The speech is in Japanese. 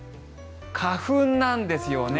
花粉なんですよね。